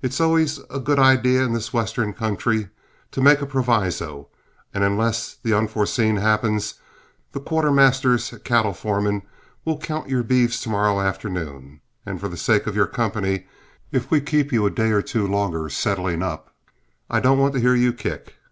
It is always a good idea in this Western country to make a proviso; and unless the unforeseen happens, the quartermaster's cattle foreman will count your beeves to morrow afternoon; and for the sake of your company, if we keep you a day or two longer settling up, I don't want to hear you kick.